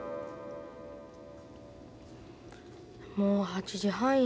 もう８時半や。